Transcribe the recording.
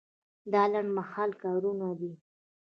دا لنډمهالی کار نه دی.